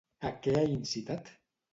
A què ha incitat?